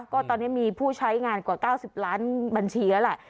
ก็ตอนนี้มีผู้ใช้งานกว่า๙๐ล้านบัญชีแล้วแหละ